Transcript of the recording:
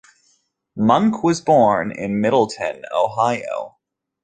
Monk was born in Middletown, Ohio.